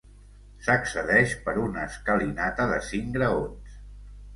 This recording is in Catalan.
S'accedeix per una escalinata de cinc graons.